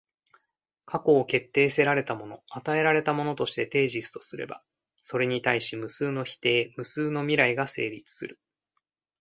過去を決定せられたもの、与えられたものとしてテージスとすれば、それに対し無数の否定、無数の未来が成立する。